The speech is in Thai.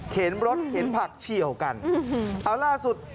เข็นรถเข็นผลักเชี่ยวกันเอ้าล่าสุด